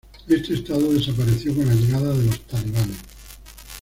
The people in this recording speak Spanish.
Este estado desapareció con la llegada de los talibanes.